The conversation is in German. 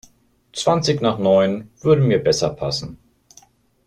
Zwanzig nach neun würde mir besser passen.